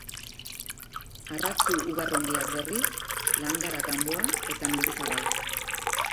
Arratzu-Ubarrundiak berriz, Langara Ganboa eta Mendizabal.